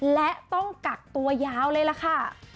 และต้องกักตัวยาวเลยล่ะค่ะ